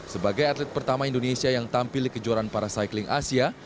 sebagai atlet pertama indonesia yang tampil di kejuaraan para cycling asia